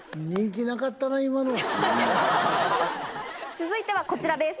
続いてはこちらです。